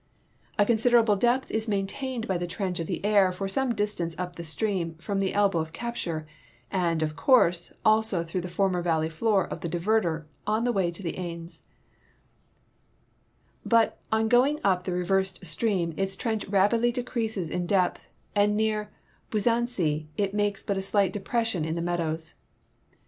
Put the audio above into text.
A considerable dei)th is maintained l>y the trench of tlie Aire for some distance U[) the stream from the elbow of capture, and, of course, also through the former valley' Ibjor of the diverter on the way to ,\isne; but on going iq> the reversed stream its trench rapidl}' decreases in dei)th, and near Buzancy it makes but a slight deju'ession in the meadows.